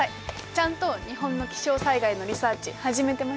ちゃんと日本の気象災害のリサーチ始めてましたよ。